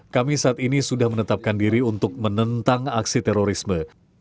kami saat ini sudah menetapkan diri untuk menentang aksi terorisme